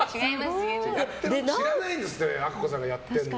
知らないんですってあっこさんがやってるの。